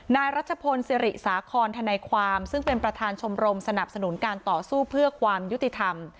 นายรัชพลศิริสาคอนทนายความซึ่งเป็นประธานชมรมสนับสนุนการต่อสู้เพื่อความยุติธรรม